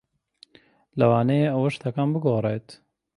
لەوانەیە ئەوە شتەکان بگۆڕێت.